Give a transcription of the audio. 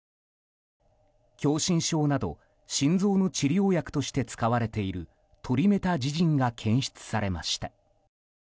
狭心症など心臓の治療薬として使われているトリメタジジンが検出されました。